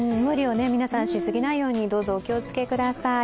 皆さん、無理をしすぎないようにどうぞお気をつけください。